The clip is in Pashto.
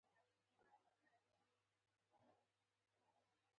نقاشي شاوخوا پینځلس تر شلو زره کاله پخوانۍ ده.